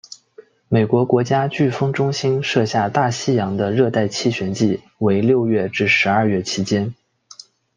美国国家飓风中心设下大西洋的热带气旋季为六月至十二月期间。